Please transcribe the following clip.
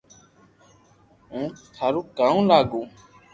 ھون ٿاريو ڪاوُ لاگو